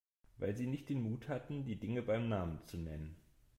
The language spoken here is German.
Weil Sie nicht den Mut hatten, die Dinge beim Namen zu nennen.